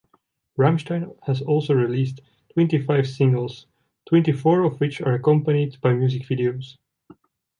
Rammstein has also released twenty-five singles, twenty-four of which are accompanied by music videos.